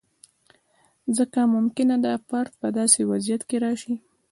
ځکه ممکنه ده فرد په داسې وضعیت کې راشي.